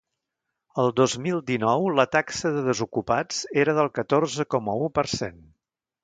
El dos mil dinou la taxa de desocupats era del catorze coma u per cent.